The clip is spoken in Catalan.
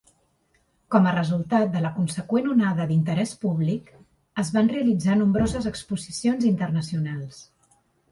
Com a resultat de la consegüent onada d'interès públic, es van realitzar nombroses exposicions internacionals.